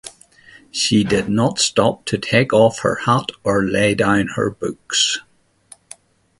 She did not stop to take of her hat or lay down her books.